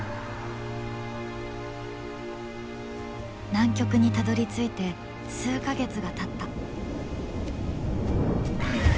南極にたどりついて数か月がたった。